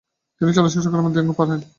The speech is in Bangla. তিনি চলে আসেন চট্টগ্রামের দেয়াঙ পাহাড়ে।